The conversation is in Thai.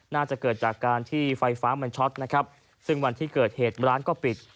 น่าจะเกิดจากการที่ไฟฟ้ามันช็อตนะครับซึ่งวันที่เกิดเหตุร้านก็ปิด